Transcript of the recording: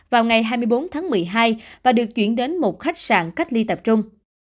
vào ngày hai mươi bốn tháng một mươi hai và được chuyển đến một khách sạn cách ly tập trung